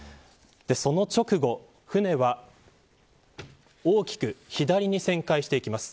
その直後、舟は大きく左に旋回していきます。